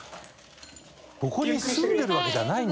ここに住んでるわけじゃないんだ。